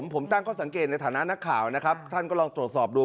ผมตั้งข้อสังเกตในฐานะนักข่าวนะครับท่านก็ลองตรวจสอบดู